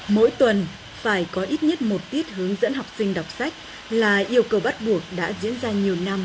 mỗi tuần phải có ít nhất một tiết hướng dẫn học sinh đọc sách là yêu cầu bắt buộc đã diễn ra nhiều năm